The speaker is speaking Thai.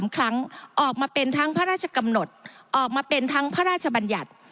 ๓ครั้งออกมาเป็นทั้งพระราชกำหนดออกมาเป็นทั้งพระราชบัญญัติ